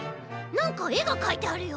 なんかえがかいてあるよ。